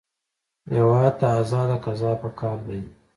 هېواد ته ازاد قضا پکار دی